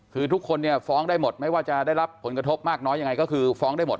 คือทุกคนเนี่ยฟ้องได้หมดไม่ว่าจะได้รับผลกระทบมากน้อยยังไงก็คือฟ้องได้หมด